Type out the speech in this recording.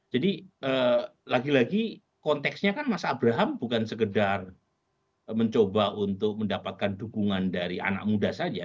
jadi lagi lagi konteksnya kan mas abraham bukan sekedar mencoba untuk mendapatkan dukungan dari anak muda saja